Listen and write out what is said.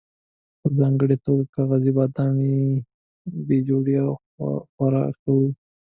په ځانګړې توګه کاغذي بادام یې بې جوړې او خورا ښه وو.